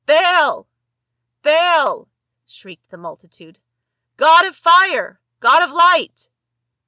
" Baal ! Baal !" shrieked the multitude, " god of fire ! god of light